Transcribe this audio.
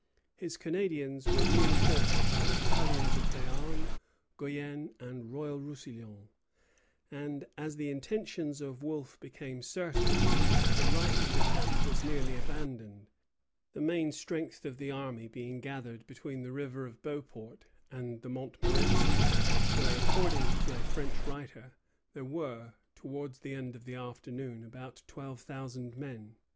His Canadians were reinforced by the battalions of Béarn, Guienne, and Royal Roussillon; and, as the intentions of Wolfe became certain, the right of the camp was nearly abandoned, the main strength of the army being gathered between the river of Beauport and the Montmorenci, where, according to a French writer, there were, towards the end of the afternoon, about twelve thousand men.